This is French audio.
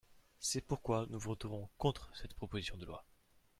C’est pourquoi nous voterons contre cette proposition de loi.